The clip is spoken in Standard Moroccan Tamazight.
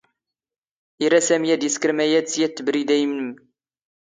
ⵉⵔⴰ ⵙⴰⵎⵉ ⴰⴷ ⵉⵙⴽⵔ ⵎⴰⵢⴰⴷ ⵙ ⵢⴰⵜ ⵜⴱⵔⵉⴷⴰ ⵉⵏⵎⵏ.